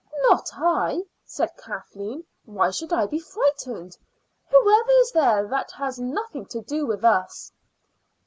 "Not I," said Kathleen. "Why should I be afraid? Whoever is there has nothing to do with us."